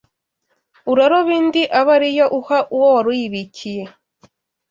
uraroba indi abe ari yo uha uwo wari uyibikiye